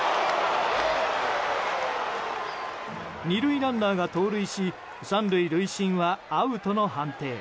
２塁ランナーが盗塁し３塁塁審はアウトの判定。